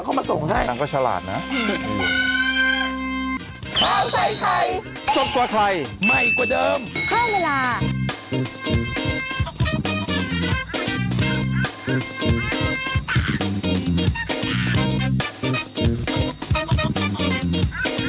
คุณแม่